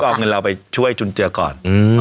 เอาเงินเราไปช่วยจุนเจือก่อน